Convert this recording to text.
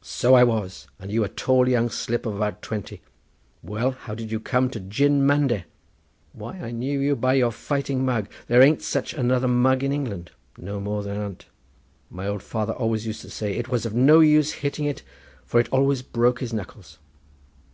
"So I was, and you a tall young slip of about twenty; well, how did you come to jin mande?" "Why, I knew you by your fighting mug—there an't such another mug in England." "No more there an't—my old father always used to say it was of no use hitting it for it always broke his knuckles.